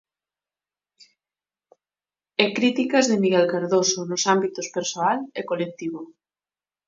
E críticas de Miguel Cardoso, nos ámbitos persoal e colectivo.